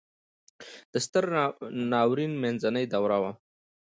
د ستر ناورین منځنۍ دوره وه.